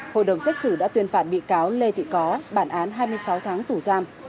hội đồng xét xử đã tuyên phạt bị cáo lê thị có bản án hai mươi sáu tháng tù giam